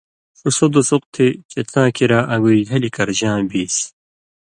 ݜُو سو دُسُق تھی چے څاں کِریا ان٘گُوی جھلیۡ کرژاں بیسیۡ۔